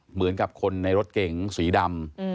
เหมือนกับคนในรถเก๋งสีดำ